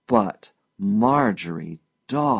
But Marjorie Daw!